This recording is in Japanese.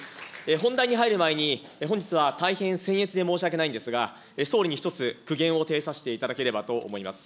本題に入る前に、本日は大変せん越で申し訳ないんですが、総理に一つ、苦言を呈させていただければと思います。